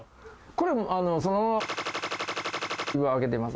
これ、そのままを揚げています。